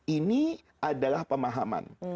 ini adalah pemahaman